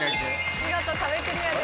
見事壁クリアです。